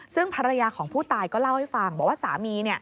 ซึ่งภรรยาของผู้ตายก็เล่าให้ฟังบอกว่าสามี